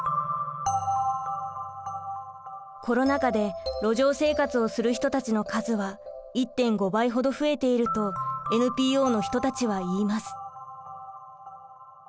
コロナ禍で路上生活をする人たちの数は１．５倍ほど増えているとＮＰＯの人たちは言います。